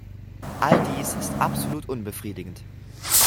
All dies ist absolut unbefriedigend.